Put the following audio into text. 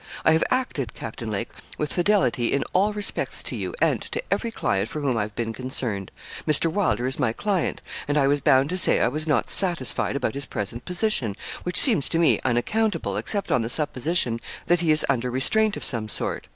I have acted, Captain Lake, with fidelity in all respects to you, and to every client for whom I've been concerned. Mr. Wylder is my client, and I was bound to say I was not satisfied about his present position, which seems to me unaccountable, except on the supposition that he is under restraint of some sort.